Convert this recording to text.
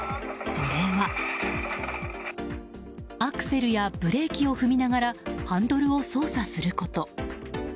それはアクセルやブレーキを踏みながらハンドルを操作すること。